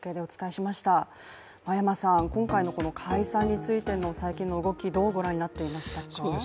今回の解散についての最近の動きどうご覧になっていますか？